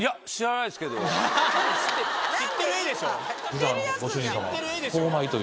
知ってる「えっ！」でしょ。